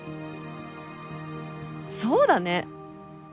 そうだね！